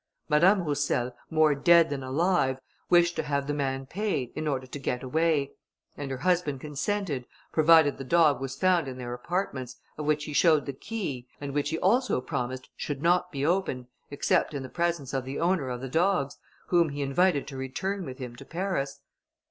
Madame Roussel, more dead than alive, wished to have the man paid, in order to get away; and her husband consented, provided the dog was found in their apartments, of which he showed the key, and which he also promised should not be opened, except in the presence of the owner of the dogs, whom he invited to return with him to Paris.